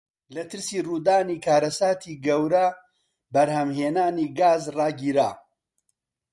لە ترسی ڕوودانی کارەساتی گەورە بەرهەمهێنانی گاز ڕاگیرا.